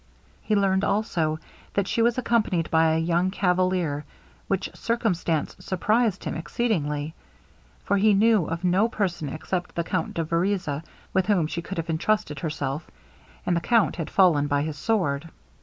He learned also, that she was accompanied by a young cavalier; which circumstance surprized him exceedingly; for he knew of no person except the Count de Vereza with whom she could have entrusted herself, and the count had fallen by his sword!